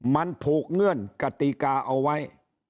มันผูกเงื่อนกติกาเอาไว้